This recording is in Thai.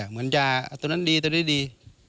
เหมือนยาตัวนั้นดีตัวนี้ดี